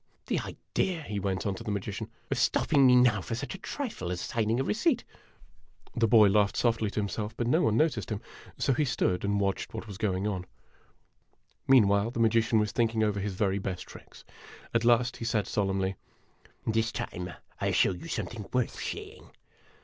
"The idea," he went on, to the magician, "of stopping me now for such a trifle as signing a receipt !" The boy laughed softly to himself, but no one noticed him, so he stood and watched what was going on. A DUEL IN A DESERT 47 Meanwhile, the magician was thinking over his very best tricks. At last he said, solemnly: "This time I '11 show you something worth seeing